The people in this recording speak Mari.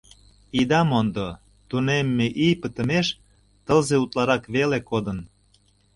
Ида мондо, тунемме ий пытымеш тылзе утларак веле кодын.